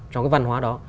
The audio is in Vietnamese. trong cái văn hóa đó